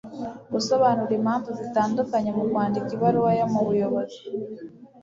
gusobanura impamvu zitandukanye mu kwandika ibaruwa yo mu buyobozi